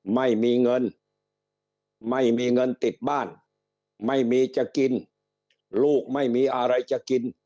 ไม่มีเงินไม่มีเงินติดบ้านไม่มีจะกินลูกไม่มีอะไรจะกิน